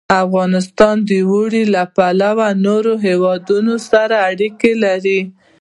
افغانستان د اوړي له پلوه له نورو هېوادونو سره اړیکې لري.